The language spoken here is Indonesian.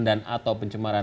dan atau pencemaran